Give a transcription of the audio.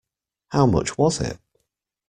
How much was it.